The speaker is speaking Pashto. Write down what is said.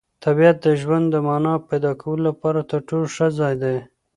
طبیعت د ژوند د مانا د پیدا کولو لپاره تر ټولو ښه ځای دی.